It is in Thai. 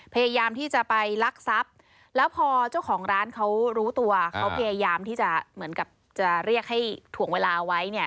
พยายามที่จะไปลักทรัพย์แล้วพอเจ้าของร้านเขารู้ตัวเขาพยายามที่จะเหมือนกับจะเรียกให้ถ่วงเวลาไว้เนี่ย